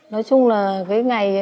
nói chung là cái ngày mà